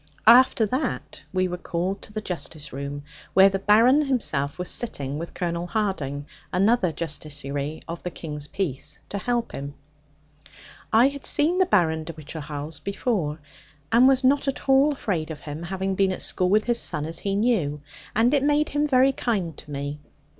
After that, we were called to the Justice room, where the Baron himself was sitting with Colonel Harding, another Justiciary of the King's peace, to help him. I had seen the Baron de Whichehalse before, and was not at all afraid of him, having been at school with his son as he knew, and it made him very kind to me.